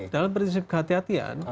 dalam prinsip kehatian